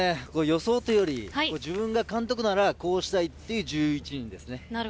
予想というより自分が監督ならこうしたいという１１人です。